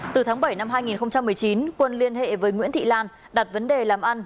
từ tháng bảy năm hai nghìn một mươi chín quân liên hệ với nguyễn thị lan đặt vấn đề làm ăn